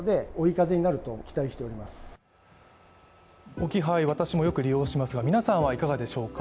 置き配、私もよく利用しますが皆さんはいかがでしょうか。